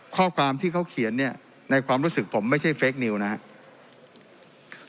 ข้อความที่เขาเขียนเนี่ยในความรู้สึกผมไม่ใช่เฟคนิวนะครับ